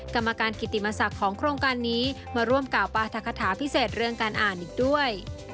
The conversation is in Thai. กรรมการกิติมศักดิ์ของโครงการนี้มาร่วมกล่าวปราธกคาถาพิเศษเรื่องการอ่านอีกด้วย